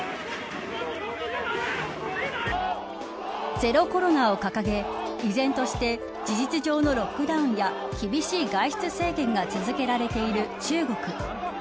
ゼロコロナを掲げ依然として事実上のロックダウンや厳しい外出制限が続けられている中国。